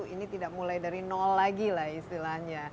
ini tidak mulai dari nol lagi lah istilahnya